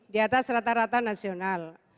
di atas rata rata nasional